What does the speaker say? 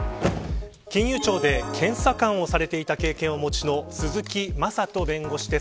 金融庁で検査官をされていた経験をお持ちの鈴木正人弁護士です。